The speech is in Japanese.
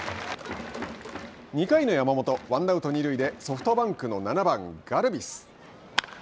２回の山本ワンアウト、二塁でソフトバンクの７番ガルビス。